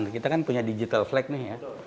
kita kan punya digital flag nih ya